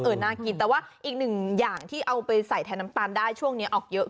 น่ากินแต่ว่าอีกหนึ่งอย่างที่เอาไปใส่แทนน้ำตาลได้ช่วงนี้ออกเยอะ